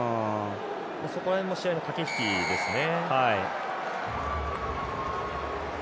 そこら辺も試合の駆け引きですね。